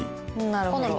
なるほど。